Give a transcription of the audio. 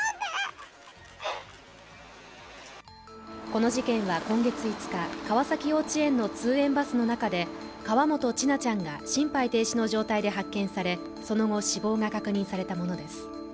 この事件は今月５日、川崎幼稚園の通園バスの中で河本千奈ちゃんが心肺停止の状態で発見されその後、死亡が確認されたものです